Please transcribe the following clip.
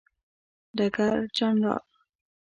ډګر جنرال